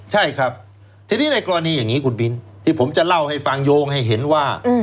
ใช่ครับทีนี้ในกรณีอย่างนี้คุณบินที่ผมจะเล่าให้ฟังโยงให้เห็นว่า